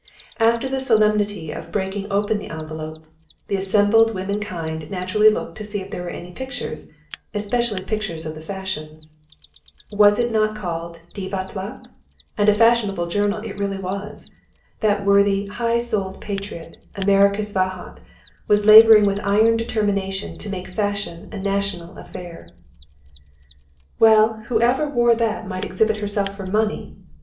After the solemnity of breaking open the envelope, the assembled womankind naturally looked to see if there were any pictures, especially pictures of the fashions. Was it not called "Divatlap"? And a fashionable journal it really was. That worthy, high souled patriot, Emericus Vahot, was labouring with iron determination to make fashion a national affair. [Footnote 14: Fashionable journal.] "Well, whoever wore that might exhibit herself for money!"